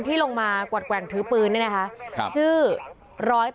มีกล้วยติดอยู่ใต้ท้องเดี๋ยวพี่ขอบคุณ